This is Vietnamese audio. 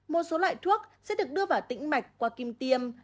một số loại thuốc sẽ được đưa vào tĩnh mạch qua kim tiêm